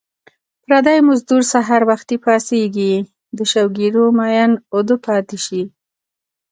پردی مزدور سحر وختي پاڅېږي د شوګیرو مین اوده پاتې شي